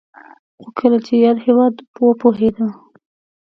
خو کله چې یاد هېواد وپوهېده